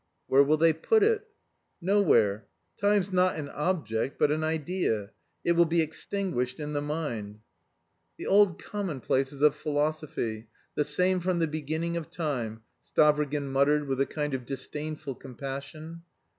"Where will they put it?" "Nowhere. Time's not an object but an idea. It will be extinguished in the mind." "The old commonplaces of philosophy, the same from the beginning of time," Stavrogin muttered with a kind of disdainful compassion.